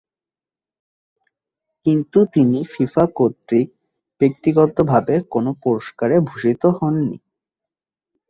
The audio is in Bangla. কিন্তু তিনি ফিফা কর্তৃক ব্যক্তিগতভাবে কোন পুরস্কারে ভূষিত হননি।